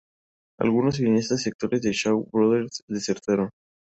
Algunos cineastas y actores de Shaw Brothers desertaron.